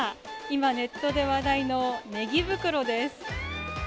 今、ネットで話題のねぎ袋です。